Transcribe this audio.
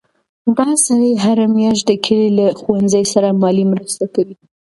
دا سړی هره میاشت د کلي له ښوونځي سره مالي مرسته کوي.